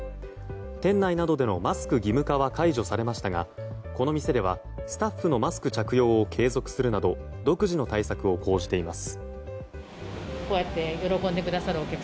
店内などでのマスク義務化は解除されましたがこの店では、スタッフのマスク着用を継続するなど独自の対策を講じています。